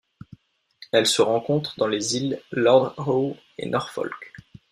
Elle se rencontre dans les îles Lord Howe et Norfolk.